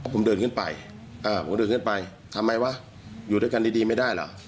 ผมเดินขึ้นไปผมเดินขึ้นไปทำไมวะอยู่ด้วยกันดีไม่ได้เหรอ